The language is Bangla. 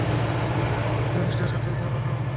তারা দুনিয়াতে নিষ্ঠার সাথে একে অপরকে মহব্বত করত।